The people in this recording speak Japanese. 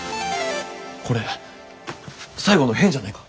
これ最後の変じゃないか？